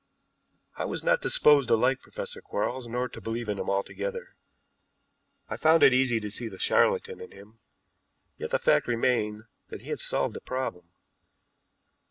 I was not disposed to like Professor Quarles nor to believe in him altogether. I found it easy to see the charlatan in him, yet the fact remained that he had solved the problem.